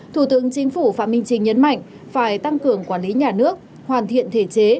thủ tướng chính phủ phạm minh chính nhấn mạnh phải tăng cường quản lý nhà nước hoàn thiện thể chế